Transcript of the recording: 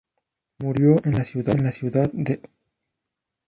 Murió en la ciudad de Utrecht.